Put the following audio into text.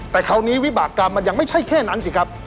แต่คราวนี้วิบากรรมมันยังไม่ใช่แค่นั้นสิครับ